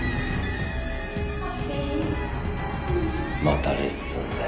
またレッスンで。